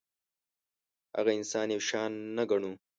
هغه انسان یو شان نه ګڼو.